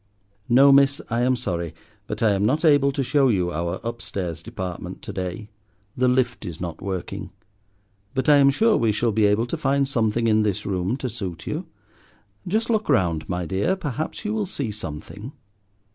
"No, miss, I am sorry, but I am not able to show you our up stairs department to day, the lift is not working. But I am sure we shall be able to find something in this room to suit you. Just look round, my dear, perhaps you will see something."